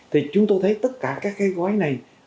thì chúng tôi thấy tất cả các cái gói này